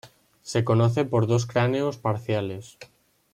Se conoce por dos cráneos parciales.